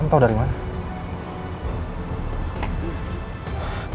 kamu tau dari mana